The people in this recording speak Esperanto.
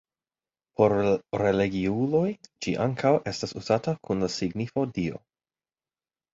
Por religiuloj ĝi ankaŭ estas uzata kun la signifo Dio.